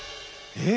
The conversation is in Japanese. えっ！